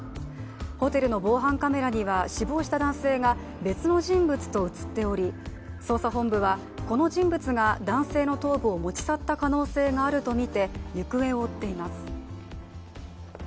ホテルの防犯カメラには死亡した男性が別の人物と映っており捜査本部はこの人物が男性の頭部を持ち去った可能性があるとみて行方を追っています。